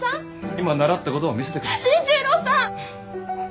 今習ったことを見せてください。